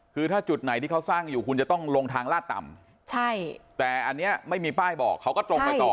คือถ้าจุดไหนที่เขาสร้างอยู่คุณจะต้องลงทางลาดต่ำใช่แต่อันนี้ไม่มีป้ายบอกเขาก็ตรงไปต่อ